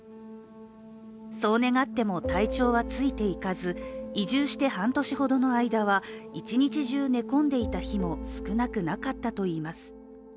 そう願っても、体調はついていかず移住して半年ほどの間は一日中、寝込んでいた日も少なくなかったといいます。